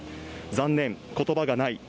残念、言葉がない。